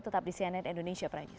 tetap di cnn indonesia prime news